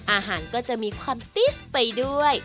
อาหารก็จะมีความติสไปด้วย